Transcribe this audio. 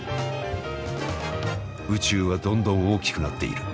宇宙はどんどん大きくなっている。